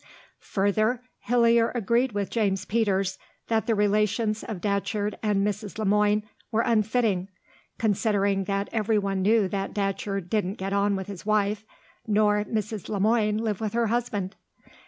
Further, Hillier agreed with James Peters that the relations of Datcherd and Mrs. Le Moine were unfitting, considering that everyone knew that Datcherd didn't get on with his wife nor Mrs. Le Moine live with her husband.